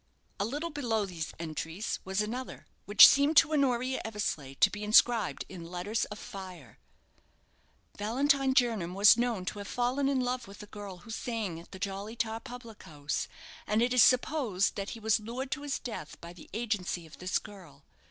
_" A little below these entries was another, which seemed to Honoria Eversleigh to be inscribed in letters of fire: "Valentine Jernam was known to have fallen in love with a girl who sang at the 'Jolly Tar' public house, and it is supposed that he was lured to his death by the agency of this girl.